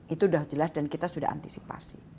itu sudah jelas dan kita sudah antisipasi